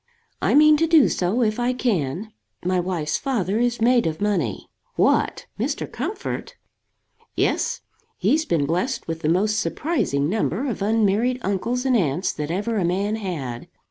"I mean to do so, if I can. My wife's father is made of money." "What! Mr. Comfort?" "Yes. He's been blessed with the most surprising number of unmarried uncles and aunts that ever a man had.